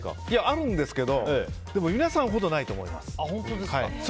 あるんですけど皆さんほどないと思います。